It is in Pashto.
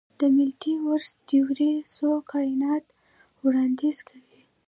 د ملټي ورس تیوري څو کائنات وړاندیز کوي.